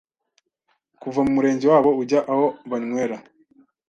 kuva mu murenge wabo ujya aho banywera